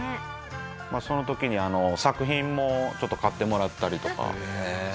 その時に作品もちょっと買ってもらったりとかして。